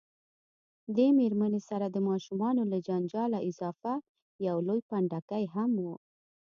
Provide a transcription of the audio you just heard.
دې میرمنې سره د ماشومانو له جنجاله اضافه یو لوی پنډکی هم و.